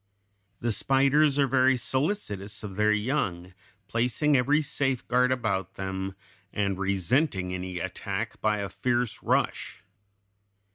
The spiders are very solicitous of their young, placing every safeguard about them, and resenting any attack by a fierce rush.